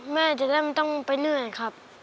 แม่จะได้ไม่ต้องไปเหนื่อยครับ